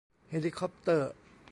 เฮลิคอปเตอร์